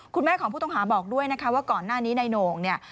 คุณแม่ของผู้ต้องหาบอกด้วยนะคะว่าก่อนหน้านี้นายโหน่งเนี่ย